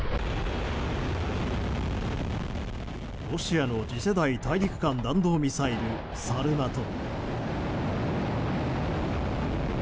ロシアの次世代大陸間弾道ミサイルサルマト。